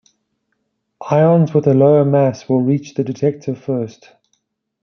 Ions with a lower mass will reach the detector first.